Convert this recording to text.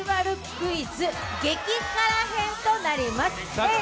クイズ激辛編となります。